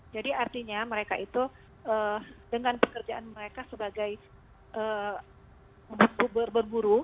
jadi artinya mereka itu dengan pekerjaan mereka sebagai berburu